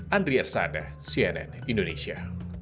andri ersada cnn indonesia